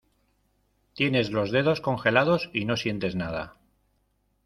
tienes los dedos congelados y no sientes nada.